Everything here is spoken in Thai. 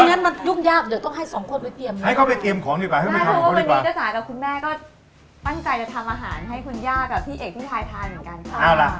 วั่นใจจะทำอาหารให้คุณย่ากับพี่เอกพี่ฮายทานเหมือนกันค่ะ